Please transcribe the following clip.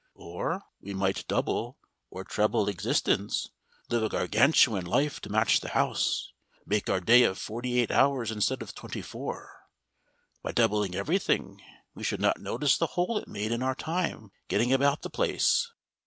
Or we might double or treble existence, live a Gargantuan life to match the house, make our day of forty eight hours instead of twenty four. By doubling everything we should not notice the hole it made in our time getting about the place.